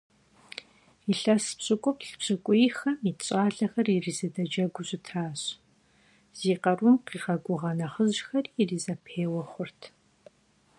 Илъэс пщыкӏуплӏ-пщыкӏуийхэм ит щӀалэхэр иризэдэджэгуу щытащ, зи къарум къигъэгугъэ нэхъыжьхэри иризэпеуэ хъурт.